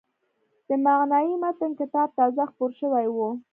د «معنای متن» کتاب تازه خپور شوی و.